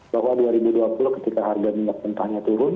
bahwa dua ribu dua puluh ketika harga minyak mentahnya turun